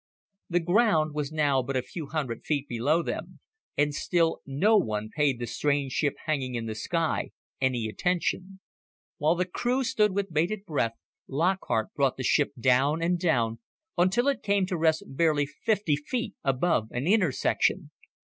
The ground was now but a few hundred feet below them, and still no one paid the strange ship hanging in the sky any attention. While the crew stood with bated breath, Lockhart brought the ship down and down, until it came to rest barely fifty feet above an intersection.